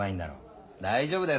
大丈夫だよ